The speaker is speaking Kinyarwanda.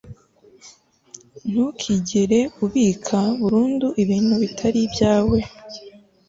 ntukigere ubika burundu ibintu bitari ibyawe